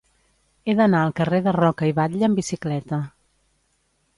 He d'anar al carrer de Roca i Batlle amb bicicleta.